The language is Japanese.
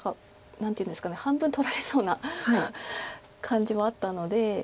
何ていうんですか半分取られそうな感じもあったので。